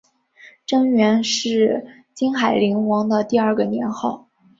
贞元是金海陵王的第二个年号。